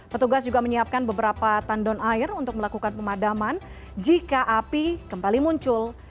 petugas juga menyiapkan beberapa tandon air untuk melakukan pemadaman jika api kembali muncul